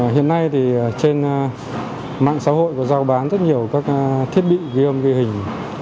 hiện nay thì trên mạng xã hội có giao bán rất nhiều các thiết bị ghi âm ghi hình